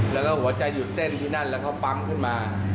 แล้วก็หัวใจหยุดเต้นที่นั่นแล้วเขาปั๊มขึ้นมา